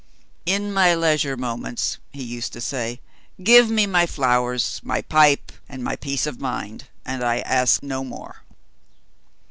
"In my leisure moments," he used to say, "give me my flowers, my pipe, and my peace of mind and I ask no more."